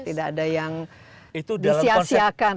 tidak ada yang disiasiakan